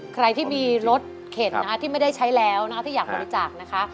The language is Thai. ใครที่มีรถเข็นนะคะที่ไม่ได้ใช้แล้วนะคะที่อยากบริจาคนะคะ